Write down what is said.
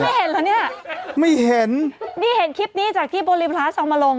พี่ไม่เห็นหรอเนี้ยไม่เห็นพี่เห็นคลิปนี้จากที่บริพาสเอามาลง